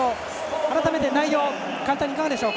改めて、内容を簡単にいかがでしょう。